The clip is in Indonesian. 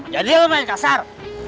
jadi lu main kasar